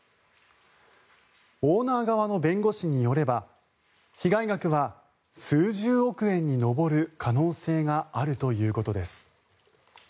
オーナー側の弁護士によれば被害額は数十億円に上る可能性があるということです。